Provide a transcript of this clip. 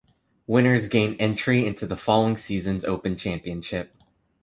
Winners gain entry into the following season's Open Championship.